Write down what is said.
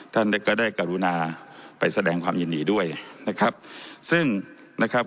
ท่านก็ได้กรุณาไปแสดงความยินดีด้วยนะครับซึ่งนะครับ